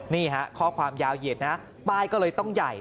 นี่ฮะข้อความยาวเหยียดนะป้ายก็เลยต้องใหญ่